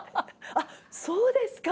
あっそうですか。